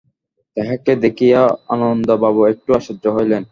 তাহাকে দেখিয়া অন্নদাবাবু একটু আশ্চর্য হইলেন।